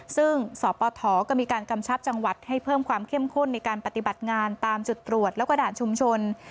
ซึ่งสปทก็มีการกำชับจังหวัดให้เพิ่มความเข้มข้นในการปฏิบัติงานตามจุดตรวจแล้วก็ด่านชุมชน